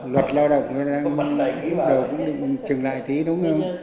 luật lao động nó đang trừng lại tí đúng không